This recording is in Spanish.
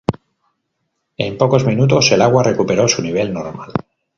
En pocos minutos el agua recuperó su nivel normal.